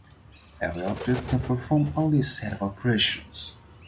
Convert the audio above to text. Every object can perform only a set of operations.